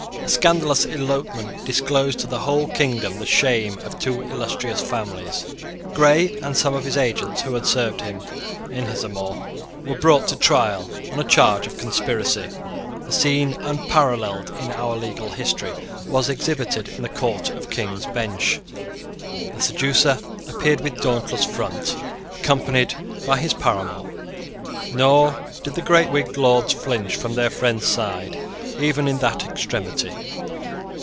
A scandalous elopement disclosed to the whole kingdom the shame of two illustrious families. Grey and some of the agents who had served him in his amour were brought to trial on a charge of conspiracy. A scene unparalleled in our legal history was exhibited in the Court of King's Bench. The seducer appeared with dauntless front, accompanied by his paramour. Nor did the great Whig lords flinch from their friend's side even in that extremity.